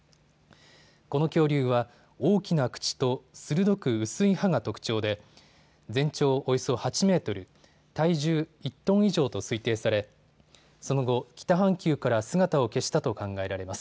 この恐竜は、大きな口と鋭く薄い歯が特徴で全長およそ８メートル、体重１トン以上と推定されその後、北半球から姿を消したと考えられます。